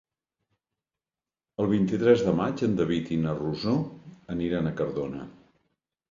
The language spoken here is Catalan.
El vint-i-tres de maig en David i na Rosó aniran a Cardona.